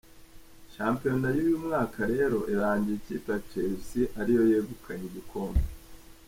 Shampiyona y'uyu mwaka rero irangiye ikipe ya Chelsea ariyo yegukanye igikombe.